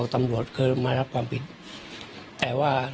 ก็เลยขับรถไปมอบตัว